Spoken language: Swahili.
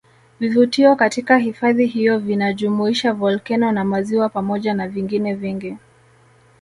Vivutio katika hifadhi hiyo vinajumuisha volkeno na maziwa pamoja na vingine vingi